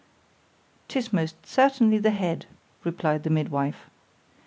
——'Tis most certainly the head, replied the midwife.